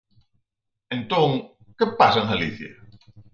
Entón, ¿que pasa en Galicia?